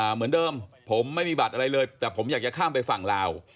เหมือนเดิมผมไม่มีบัตรอะไรเลยแต่ผมอยากจะข้ามไปฝั่งลาว